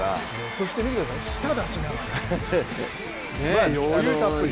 そして見てください舌を出しながら、余裕たっぷり。